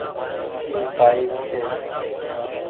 اي ڪآئي ڇي ۔